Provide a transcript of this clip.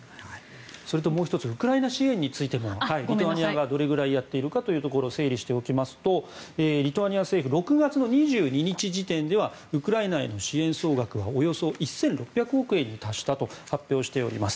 それともう１つウクライナ支援についてもリトアニアがどれぐらいやっているかというところ整理しておきますとリトアニア政府６月２２日時点ではウクライナへの支援総額はおよそ１６００億円に達したと発表しております。